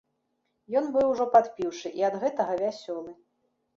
Ён быў ужо падпіўшы і ад гэтага вясёлы.